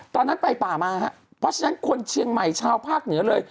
ไปป่ามาฮะเพราะฉะนั้นคนเชียงใหม่ชาวภาคเหนือเลย